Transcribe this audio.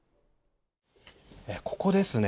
ここですね。